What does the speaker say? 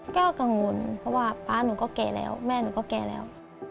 ก็กังวลเพราะว่าป๊าหนูก็แก่แล้วแม่หนูก็แก่แล้ว